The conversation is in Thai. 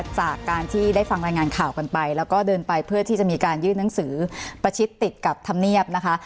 จากการที่ได้ฟังรายงานข่าวกันไปแล้วก็เดินไปเพื่อที่จะมีการยื่นหนังสือประชิดติดกับธรรมเนียบนะคะ